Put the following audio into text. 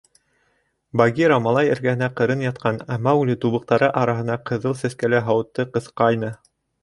Багира малай эргәһенә ҡырын ятҡан, ә Маугли тубыҡтары араһына Ҡыҙыл Сәскәле һауытты ҡыҫҡайны.